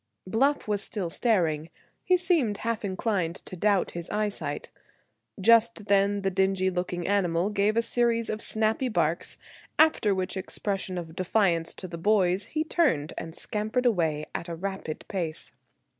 Bluff was still staring. He seemed half inclined to doubt his eyesight. Just then the dingy looking animal gave a series of snappy barks; after which expression of defiance to the boys he turned and scampered away at a rapid pace.